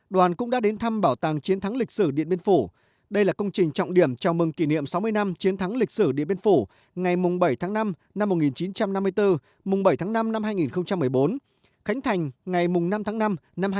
đoàn cũng đã đến thăm bảo tàng chiến thắng lịch sử điện biên phủ đây là công trình trọng điểm chào mừng kỷ niệm sáu mươi năm chiến thắng lịch sử điện biên phủ ngày bảy tháng năm năm một nghìn chín trăm năm mươi bốn bảy tháng năm năm hai nghìn một mươi bốn khánh thành ngày năm tháng năm năm hai nghìn một mươi chín